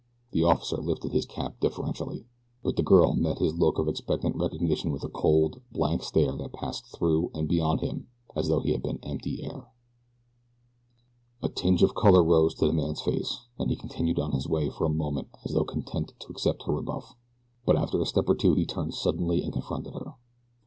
The officer lifted his cap deferentially; but the girl met his look of expectant recognition with a cold, blank stare that passed through and beyond him as though he had been empty air. A tinge of color rose to the man's face, and he continued on his way for a moment as though content to accept her rebuff; but after a step or two he turned suddenly and confronted her.